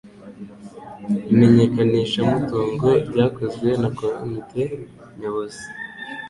imenyekanishamutungo ryakozwe na komite nyobozi